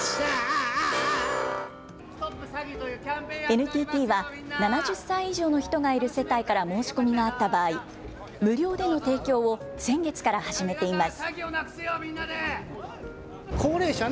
ＮＴＴは７０歳以上の人がいる世帯から申し込みがあった場合、無料での提供を先月から始めています。